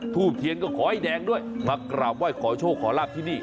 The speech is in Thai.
เทียนก็ขอให้แดงด้วยมากราบไหว้ขอโชคขอลาบที่นี่